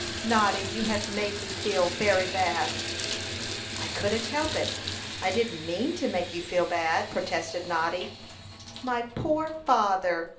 "Noddy you have made me feel very bad." "I couldn't help it; I didn't mean to make you feel bad," protested Noddy. "My poor father!"